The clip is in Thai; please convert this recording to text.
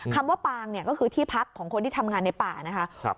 คำว่าปางเนี่ยก็คือที่พักของคนที่ทำงานในป่านะคะ